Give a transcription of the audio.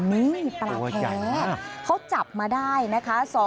นี่ปลาแท้เขาจับมาได้นะคะ